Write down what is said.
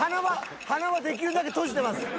［鼻はできるだけ閉じてます］